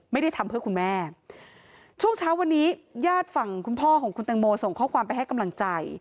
ไม่ได้ทำเพื่อคุณแม่ช่วงเช้าวันนี้ญาติฝั่งคุณพ่อของคุณแตงโมส่งข้อความไปให้กำลังใจ